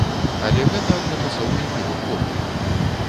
Але гэта адначасова і маё хобі.